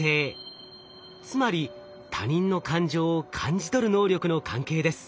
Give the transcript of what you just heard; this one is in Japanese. つまり他人の感情を感じ取る能力の関係です。